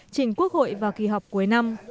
chỉnh quốc hội vào kỳ họp cuối năm